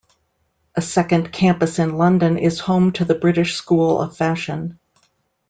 A second campus in London is home to the British School of Fashion.